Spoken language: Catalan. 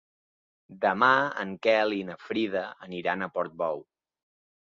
Demà en Quel i na Frida aniran a Portbou.